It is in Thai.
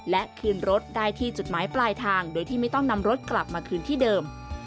และคืนรถได้ที่จุดหมายปลายทางโดยที่ไม่ต้องนำรถกลับมาคืนที่เดิม